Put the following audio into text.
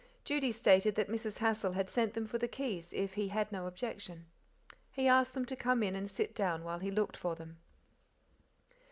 Judy stated that Mrs. Hassal had sent them for the keys, if he had no objection. He asked them to come in and sit down while he looked for them.